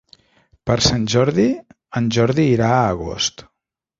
Per Sant Jordi en Jordi irà a Agost.